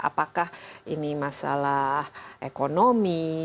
apakah ini masalah ekonomi